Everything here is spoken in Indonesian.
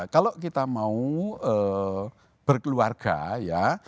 kalau kita mau berkeluarga ya